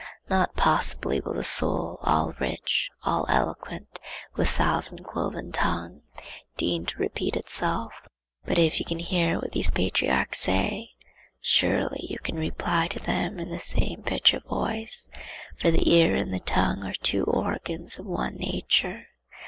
Not possibly will the soul, all rich, all eloquent, with thousand cloven tongue, deign to repeat itself; but if you can hear what these patriarchs say, surely you can reply to them in the same pitch of voice; for the ear and the tongue are two organs of one nature.